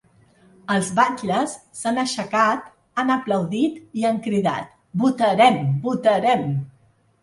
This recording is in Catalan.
Els batlles s’han aixecat, han aplaudit i han cridat ‘Votarem, votarem’.